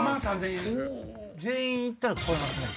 全員行ったら超えますね。